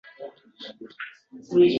Ammo shaharni o‘zining sharqona jozibasi bor.